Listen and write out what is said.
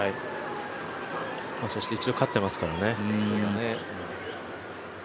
そして一度勝ってますからね。